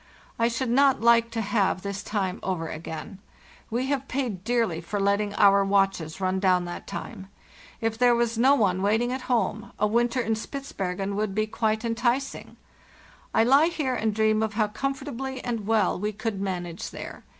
I should not like to have this time over again. We have paid dearly for letting our watches run down that time. If there was no one waiting at home, a winter in Spitzbergen would be quite enticing. I lie here and dream of how comfortably and well we could manage there.